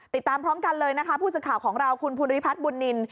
ติดตามพร้อมกันเลยนะคะผู้สื่อข่าวของเราคุณภูริพัฒน์บุญนิน